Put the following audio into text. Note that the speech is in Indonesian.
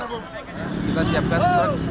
kita siapkan truk